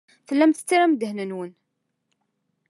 Tellam tettarram ddehn-nwen.